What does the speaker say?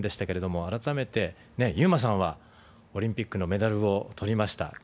けれども、改めて優真さんはオリンピックのメダルを取りました。